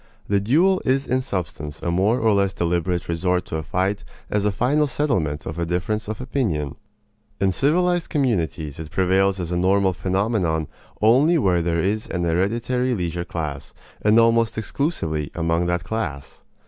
The duel is in substance a more or less deliberate resort to a fight as a final settlement of a difference of opinion. In civilized communities it prevails as a normal phenomenon only where there is an hereditary leisure class, and almost exclusively among that class.